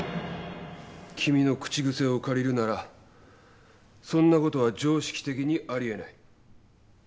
君の口癖を借りるならそんなことは常識的にありえない。